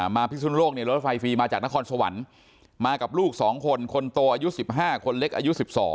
พิสุนโลกรถไฟฟรีมาจากนครสวรรค์มากับลูก๒คนคนโตอายุ๑๕คนเล็กอายุ๑๒